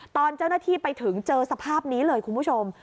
ตอนเจ้าหน้าที่ไปถึงเจอสภาพนี้เลยคุณผู้ชม